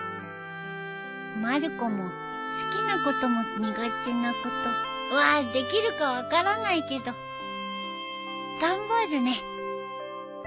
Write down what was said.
まる子も好きなことも苦手なことはできるか分からないけど頑張るね。